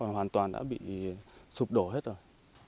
hoàn toàn đã bị sụp đổ hết rồi